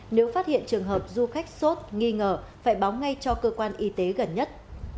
nếu phát hiện trường hợp du khách sốt nghi ngờ phải báo ngay cho cơ quan y tế gần nhất